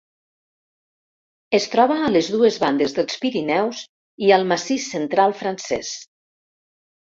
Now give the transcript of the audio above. Es troba a les dues bandes dels Pirineus i al Massís Central francès.